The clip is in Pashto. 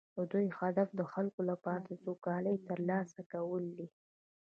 د دوی هدف د خلکو لپاره سوکالي ترلاسه کول دي